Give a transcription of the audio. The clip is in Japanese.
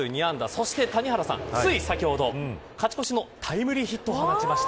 そして谷原さん、つい先ほど勝ち越しのタイムリーヒットを放ちました。